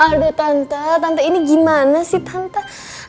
aduh tante tante ini gimana sih tante